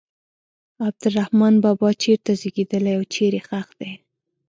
عبدالرحمان بابا چېرته زیږېدلی او چیرې ښخ دی.